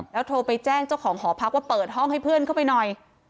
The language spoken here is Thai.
โทรไปแจ้งเจ้าของหอพักว่าเปิดห้องให้เพื่อนเข้าไปหน่อย